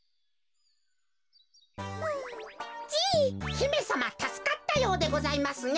ひめさまたすかったようでございますね。